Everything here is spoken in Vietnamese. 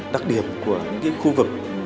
đặc điểm của những khu vực